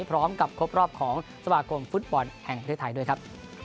พร้อมกับครบรอบของสมาคมฟุตบอลแห่งประเทศไทยด้วยครับ